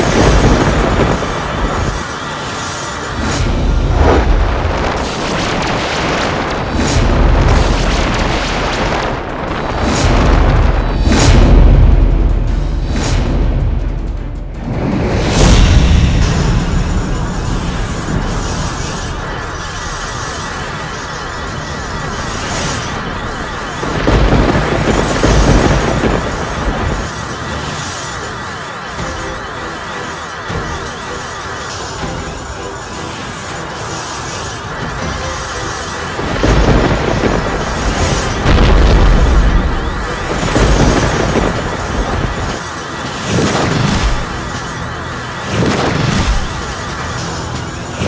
lalu kita akan menerima balasan dari perbuatanmu